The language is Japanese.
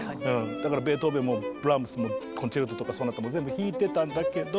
だからベートーベンもブラームスもコンチェルトとかソナタも全部弾いてたんだけどまあ